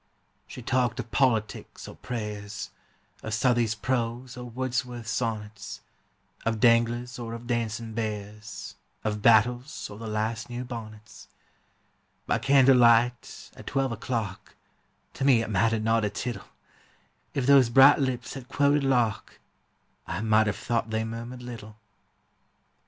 She talked of politics or prayers, Of Southey's prose or Wordsworth's sonnets, Of danglers or of dancing bears, Of battles or the last new bonnets; By candle light, at twelve o'clock, To me it mattered not a tittle, If those bright lips had quoted Locke, I might have thought they murmured Little.